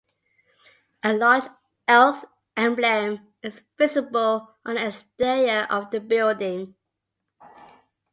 A large Elks emblem is visible on the exterior of the building.